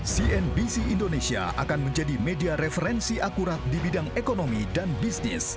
cnbc indonesia akan menjadi media referensi akurat di bidang ekonomi dan bisnis